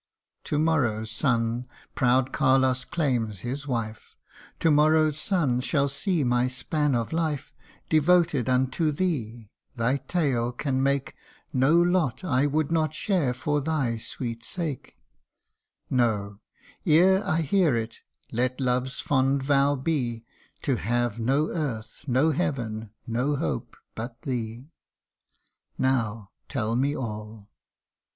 To morrow's sun proud Carlos claims his wife ; To morrow's sun shall see my span of life Devoted unto thee thy tale can make No lot I would not share for thy sweet sake ; No Ere I hear it, let love's fond vow be To have no earth no heaven no hope but thee ! Now tell me all."